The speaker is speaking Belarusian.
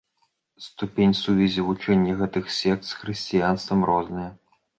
Ступень сувязі вучэння гэтых сект з хрысціянствам розная.